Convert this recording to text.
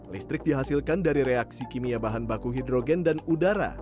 listrik dihasilkan dari reaksi kimia bahan baku hidrogen dan udara